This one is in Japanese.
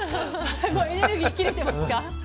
エネルギー切れてますか。